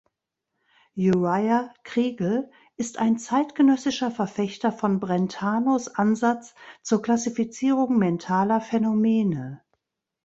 Uriah Kriegel ist ein zeitgenössischer Verfechter von Brentanos Ansatz zur Klassifizierung mentaler Phänomene.